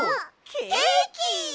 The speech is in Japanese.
ケーキ！